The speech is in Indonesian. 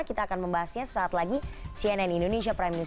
kita akan membahasnya saat lagi cnn indonesia prime news